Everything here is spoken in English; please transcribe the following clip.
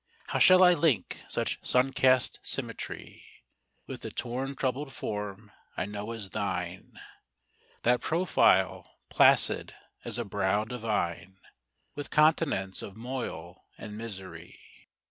How shall I link such sun cast symmetry With the torn troubled form I know as thine, That profile, placid as a brow divine, With continents of moil and misery?